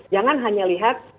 jangan hanya lihat